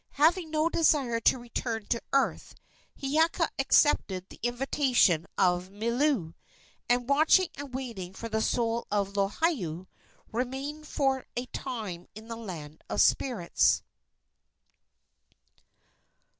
Having no desire to return to earth, Hiiaka accepted the invitation of Milu, and, watching and waiting for the soul of Lohiau, remained for a time in the land of spirits.